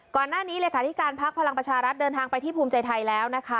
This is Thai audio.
ก่อนหน้านี้เลขาธิการพักพลังประชารัฐเดินทางไปที่ภูมิใจไทยแล้วนะคะ